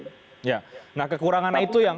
nah kekurangan itu yang